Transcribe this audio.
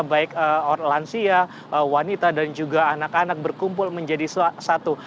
baik lansia wanita dan juga anak anak berkumpul menjadi satu